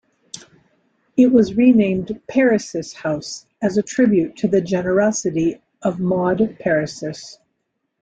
It was renamed Peiris House as a tribute to the generosity of Maude Peiris.